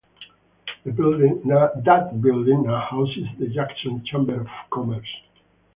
That building now houses the Jackson Chamber of Commerce.